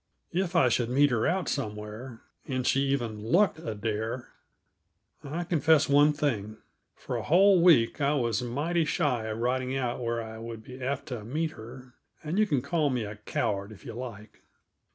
If I should meet her out somewhere, and she even looked a dare I'll confess one thing: for a whole week I was mighty shy of riding out where I would be apt to meet her; and you can call me a coward if you like.